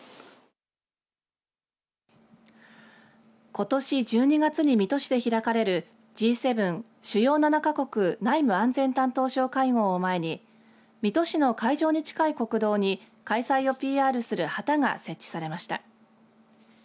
ことし１２月に水戸市で開かれるＧ７主要７か国内務・安全担当相会合を前に水戸市の会場に近い国道に開催をＰＲする旗が設置されました。